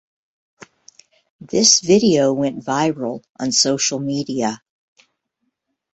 This video went viral on social media.